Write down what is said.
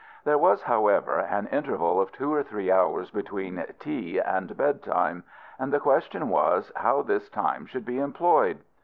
There was, however, an interval of two or three hours between "tea" and bedtime; and the question was, how this time should be employed?